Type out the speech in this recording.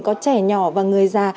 có trẻ nhỏ và người già